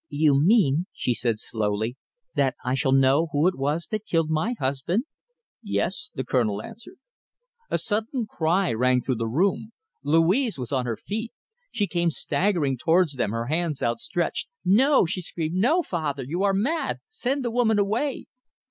"You mean," she said slowly, "that I shall know who it was that killed my husband?" "Yes!" the Colonel answered. A sudden cry rang through the room. Louise was on her feet. She came staggering towards them, her hands outstretched. "No!" she screamed, "no! Father, you are mad! Send the woman away!"